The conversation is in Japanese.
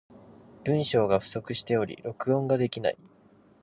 文章が不足しており、録音ができない。